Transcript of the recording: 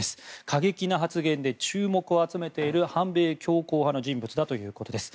過激な発言で注目を集めている反米強硬派の人物だということです。